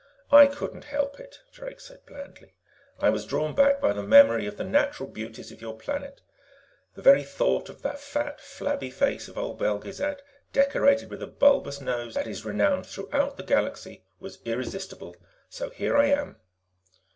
"I couldn't help it," Drake said blandly. "I was drawn back by the memory of the natural beauties of your planet. The very thought of the fat, flabby face of old Belgezad, decorated with a bulbous nose that is renowned throughout the Galaxy, was irresistible. So here I am."